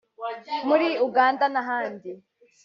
muri Uganda n’ahandi